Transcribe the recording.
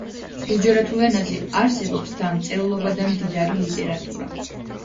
გუჯარათულ ენაზე არსებობს დამწერლობა და მდიდარი ლიტერატურა.